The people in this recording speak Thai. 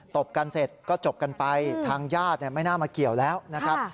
บกันเสร็จก็จบกันไปทางญาติไม่น่ามาเกี่ยวแล้วนะครับ